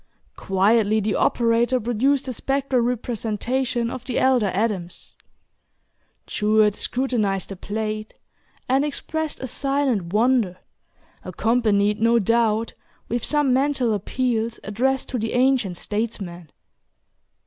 Quietly the operator produced the spectral representation of the elder Adams. Jewett scrutinized the plate, and expressed a silent wonder, accompanied, no doubt, with some mental appeals addressed to the ancient statesman.